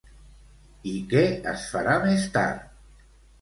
I què es farà més tard?